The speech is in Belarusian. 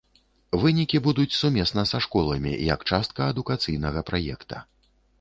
Вынікі будуць сумесна са школамі як частка адукацыйнага праекта.